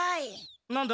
何だ？